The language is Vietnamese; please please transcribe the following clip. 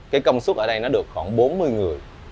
cái công suất ở đây nó được khoảng bốn mươi người